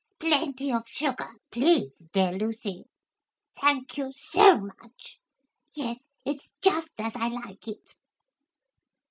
Plenty of sugar, please, dear Lucy. Thank you so much! Yes, it's just as I like it.'